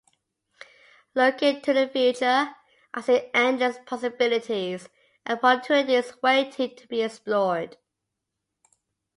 Looking to the future, I see endless possibilities and opportunities waiting to be explored.